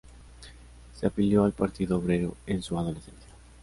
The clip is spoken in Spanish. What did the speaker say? Se afilió al Partido Obrero en su adolescencia.